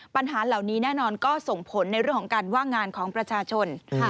ปัญหาเหล่านี้แน่นอนก็ส่งผลในเรื่องของการว่างงานของประชาชน